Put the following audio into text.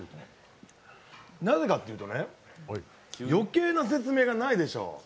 なぜかっていうとね、余計な説明がないでしょう。